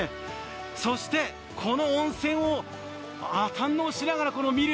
この温泉を堪能しながら見る